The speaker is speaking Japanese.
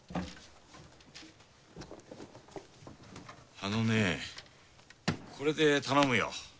あのねこれで頼むよ。